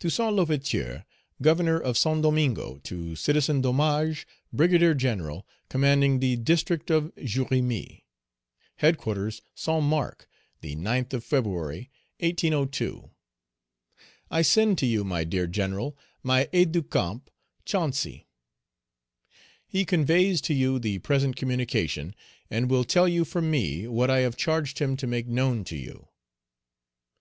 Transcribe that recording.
"Toussaint L'Ouverture, Governor of Saint Domingo, to Citizen Domage, Brigadier General, commanding the district of Jérémie. HEADQUARTERS, SAINT MARC, the 9th of Feb., 1802. "I send to you, my dear General, my aide de camp, Chancy. Page 189 He conveys to you the present communication, and will tell you from me what I have charged him to make known to you.